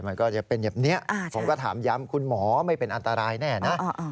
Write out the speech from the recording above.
มันก็จะเป็นอย่างนี้ผมก็ถามย้ำคุณหมอไม่เป็นอันตรายแน่นะ